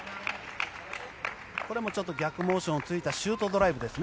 これも逆モーションを突いたシュートドライブですね。